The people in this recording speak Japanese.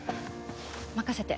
任せて。